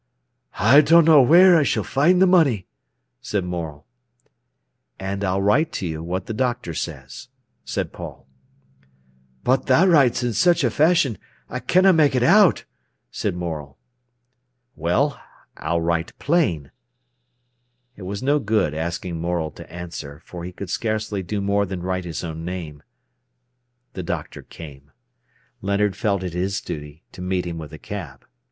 "I dunno wheer I s'll find th' money," said Morel. "And I'll write to you what the doctor says," said Paul. "But tha writes i' such a fashion, I canna ma'e it out," said Morel. "Well, I'll write plain." It was no good asking Morel to answer, for he could scarcely do more than write his own name. The doctor came. Leonard felt it his duty to meet him with a cab.